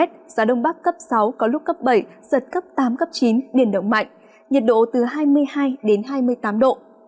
gió đông bắc cấp sáu có lúc cấp bảy giật cấp tám cấp chín biển động mạnh nhiệt độ từ hai mươi hai đến hai mươi tám độ